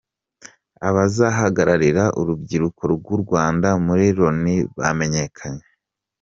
Abazahagararira urubyiruko rw’u Rwanda muri Loni bamenyekanye .